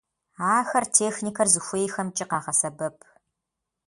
Ахэр техникэр зыхуейхэмкӀи къагъэсэбэп.